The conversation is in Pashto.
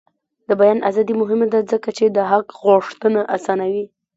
د بیان ازادي مهمه ده ځکه چې د حق غوښتنه اسانوي.